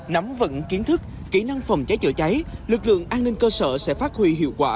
nắm vận kiến thức kỹ năng phòng cháy chữa cháy lực lượng an ninh cơ sở sẽ phát huy hiệu quả